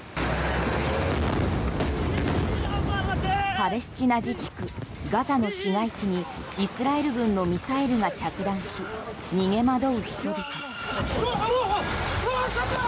パレスチナ自治区ガザの市街地にイスラエル軍のミサイルが着弾し逃げ惑う人々。